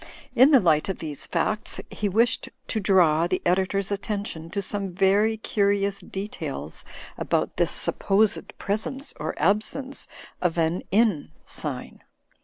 In the light of these facts, he wished to draw the editor's attention to some very curious details about this supposed presence or absence of an inn sign.